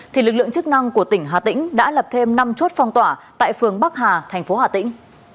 thì lực lượng chức năng của tỉnh hà tĩnh đã lập thêm năm chốt phong tỏa tại phường bắc hà thành phố hà tĩnh